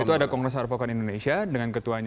itu ada kongres advokat indonesia dengan ketuanya